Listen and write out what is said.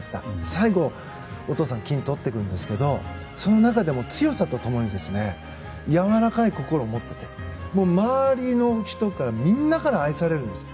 最後、お父さんが金をとってくるんですがその時も、強さと共にやわらかい心を持っていて周りの人、みんなから愛されるんです。